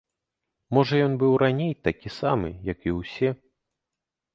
Можа ён быў раней такі самы, як і ўсе?